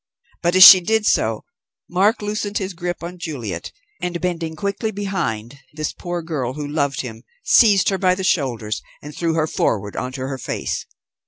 But, as she did so, Mark loosened his grip on Juliet, and bending quickly behind this poor girl who loved him seized her by the shoulders and threw her forward on to her face.